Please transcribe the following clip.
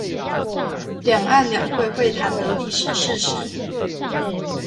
兩岸兩會會談的歷史事實